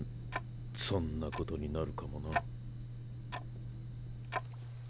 そんなことになるかもな。